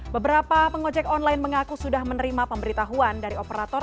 beberapa pengojek online mengaku sudah menerima pemberitahuan dari operator